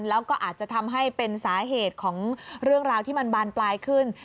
แล้วก็อาจจะทำให้เป็นสาเหตุของเรื่องราวที่มันบานปลายขึ้น